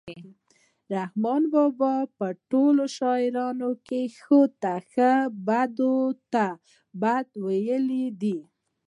رحمان بابا په ټوله شاعرۍ کې ښو ته ښه بدو ته بد ویلي دي.